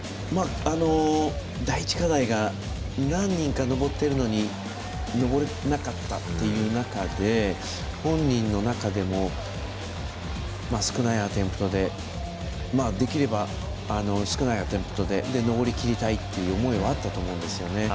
第１課題が何人か登ってるのに登れなかったという中で本人の中でも少ないアテンプトで登りきりたいという思いはあったと思うんですよね。